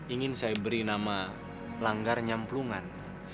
ingin saya beri nama langgar nyamplungan